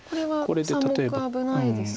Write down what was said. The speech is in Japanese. これは３目危ないですか？